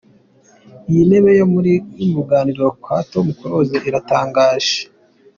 Iyi ntebe yo mu ruganiriro kwa Tom Close iratangaje.